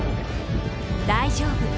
大丈夫。